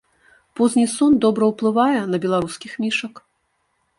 Позні сон добра ўплывае на беларускіх мішак.